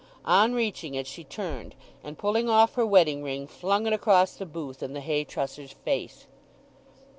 On reaching it, she turned, and pulling off her wedding ring, flung it across the booth in the hay trusser's face.